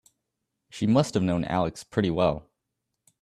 She must have known Alex pretty well.